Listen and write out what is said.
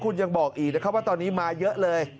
คุณยังบอกอีกนะครับว่าตอนนี้มาเยอะเลย